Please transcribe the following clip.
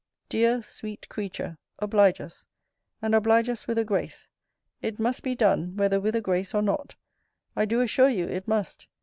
Dear, sweet creature, oblige us: and oblige us with a grace. It must be done, whether with a grace or not. I do assure you it must.